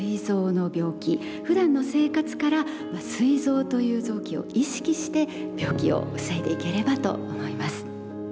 ふだんの生活からすい臓という臓器を意識して病気を防いでいければと思います。